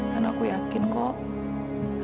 dan aku yakin kok